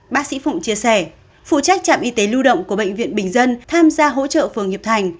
bác sĩ phụng chia sẻ phụ trách trạm y tế lưu động của bệnh viện bình dân tham gia hỗ trợ phường hiệp thành